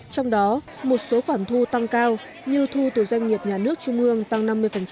trong đó một số khoản thu tăng cao như thu từ doanh nghiệp nhà nước trung ương tăng năm mươi